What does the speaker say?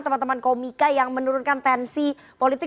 teman teman komika yang menurunkan tensi politik